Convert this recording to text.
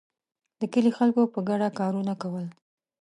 د کلي خلکو په ګډه کارونه کول.